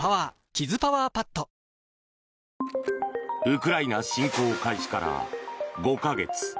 ウクライナ侵攻開始から５か月。